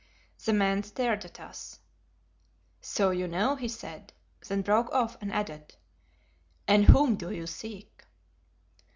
The man stared at us. "So you know," he said, then broke off and added, "and whom do you seek?"